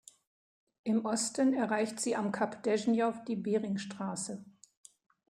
Im Osten erreicht sie am Kap Deschnjow die Beringstraße.